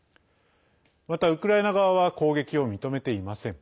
また、ウクライナ側は攻撃を認めていません。